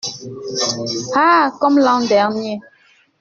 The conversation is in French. Ah ! comme l’an dernier…